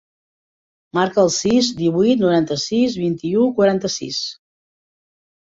Marca el sis, divuit, noranta-sis, vint-i-u, quaranta-sis.